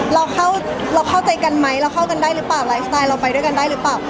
เราเข้าใจกันไหมเราเข้ากันได้หรือเปล่าไลฟ์สไตล์เราไปด้วยกันได้หรือเปล่า